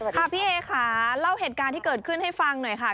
พี่เอค่ะเล่าเหตุการณ์ที่เกิดขึ้นให้ฟังหน่อยค่ะ